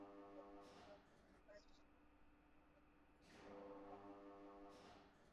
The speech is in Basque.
Arropak gorputzera itsasten dira, tolestura eta xehetasun guztiak adieraziz.